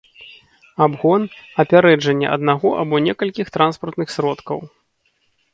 абгон — апярэджанне аднаго або некалькіх транспартных сродкаў